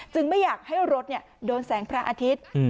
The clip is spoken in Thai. ไม่อยากให้รถโดนแสงพระอาทิตย์